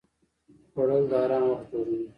خوړل د آرام وخت جوړوي